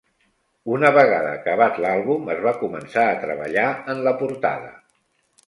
Una vegada acabat l'àlbum, es va començar a treballar en la portada.